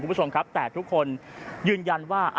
คุณผู้ชมครับแต่ทุกคนยืนยันว่า